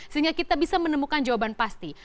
sehingga kita bisa menemukan jawaban pasti